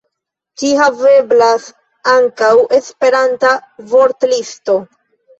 Ĉu haveblas ankaŭ Esperanta vortlisto?